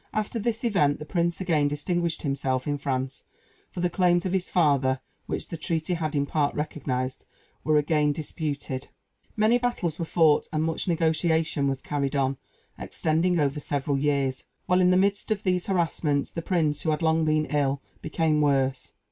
After this event the prince again distinguished himself in France, for the claims of his father, which the treaty had in part recognized, were again disputed. Many battles were fought, and much negotiation was carried on, extending over several years; while in the midst of these harassments, the prince, who had long been ill, became worse.